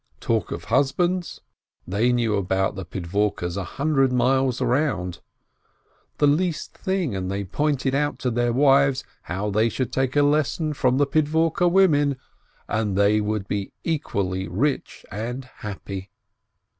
Talk of husbands — they knew about the Pidvorkes a hun dred miles round; the least thing, and they pointed out to their wives how they should take a lesson from the Pidvorke women, and then they would be equally rich and happy..